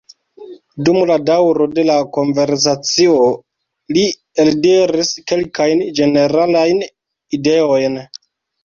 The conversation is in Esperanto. Dum la daŭro de la konversacio, li eldiris kelkajn ĝeneralajn ideojn.